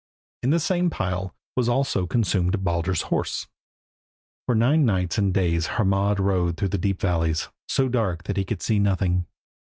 In the same pile was also consumed Baldur's horse. For nine nights and days Hermod rode through deep valleys, so dark that he could see nothing.